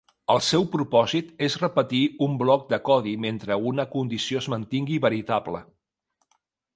El seu propòsit és repetir un bloc de codi mentre una condició es mantingui veritable.